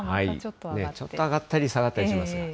ちょっと上がったり下がったりします。